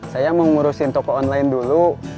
saya mau ngurusin toko online dulu